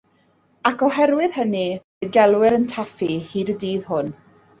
Ac oherwydd hynny, fe'i gelwir yn Taffi hyd y dydd hwn.